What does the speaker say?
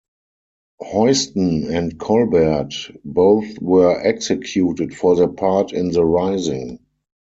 Heuston and Colbert both were executed for their part in the Rising.